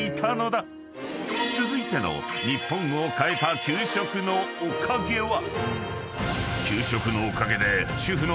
［続いての日本を変えた給食のおかげは］